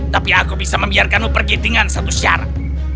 tapi aku bisa membiarkanmu pergi dengan satu syarat